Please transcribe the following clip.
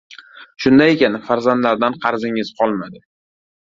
— Shunday ekan, farzandlardan qarzingiz qolmadi!